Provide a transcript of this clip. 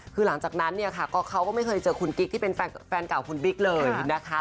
คือหลังจากนั้นเนี่ยค่ะก็เขาก็ไม่เคยเจอคุณกิ๊กที่เป็นแฟนเก่าคุณบิ๊กเลยนะคะ